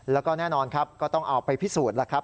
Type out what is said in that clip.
แล้วก็แน่นอนครับก็ต้องเอาไปพิสูจน์แล้วครับ